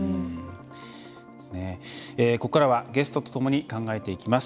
ここからはゲストとともに考えていきます。